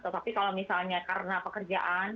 tapi kalau misalnya karena pekerjaan